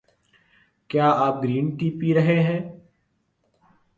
کیا آپ green tea پی رہے ہے؟